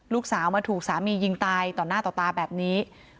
ลูกสาวมาถูกสามียิงตายต่อหน้าต่อตาแบบนี้